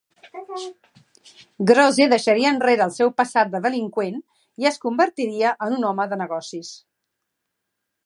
Grose deixaria enrere el seu passat de delinqüent i es convertiria en un home de negocis.